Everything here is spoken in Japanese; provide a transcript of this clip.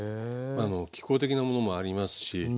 気候的なものもありますし。